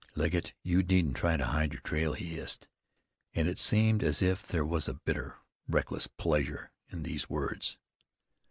"Legget, you needn't try to hide your trail," he hissed, and it seemed as if there was a bitter, reckless pleasure in these words.